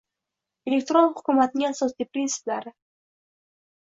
Elektron hukumatning asosiy prinsiplari